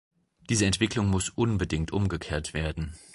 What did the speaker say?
Diese Entwicklung muss unbedingt umgekehrt werden.